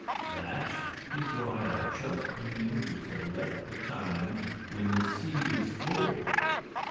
"That is why I just mean to select the time when the sea is full."